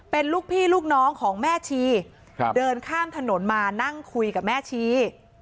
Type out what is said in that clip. เป็นลูกพี่ลูกน้องของแม่ชีเดินข้ามถนนมานั่งคุยกับแม่ชี